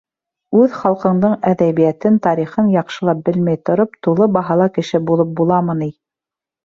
Үҙ халҡыңдың әҙәбиәтен, тарихын яҡшылап белмәй тороп, тулы баһалы кеше булып буламы ни?..